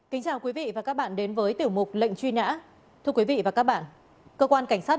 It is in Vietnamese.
kính chào quý vị và các bạn đến với tiểu mục lệnh truy ná thưa quý vị và các bạn cơ quan cảnh sát